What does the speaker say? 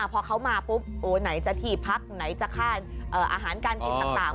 พอเขามาปุ๊บไหนจะที่พักไหนจะค่าอาหารการกินต่าง